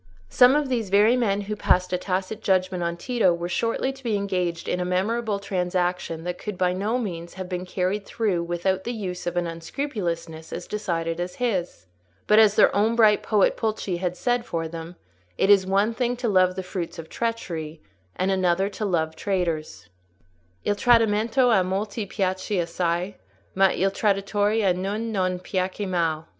Some of these very men who passed a tacit judgment on Tito were shortly to be engaged in a memorable transaction that could by no means have been carried through without the use of an unscrupulousness as decided as his; but, as their own bright poet Pulci had said for them, it is one thing to love the fruits of treachery, and another thing to love traitors— "Il tradimento a molti piace assai, Ma il traditore a gnun non piacque mal."